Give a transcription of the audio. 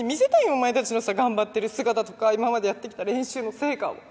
お前たちのさ頑張ってる姿とか今までやってきた練習の成果を。